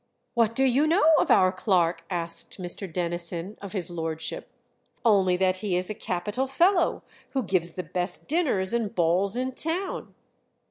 "What do you know of our clerk?" asked Mr. Denison of his lordship. "Only that he is a capital fellow, who gives the best dinners and balls in town."